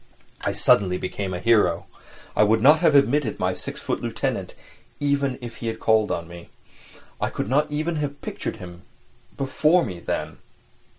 I suddenly became a hero. I would not have admitted my six foot lieutenant even if he had called on me. I could not even picture him before me then.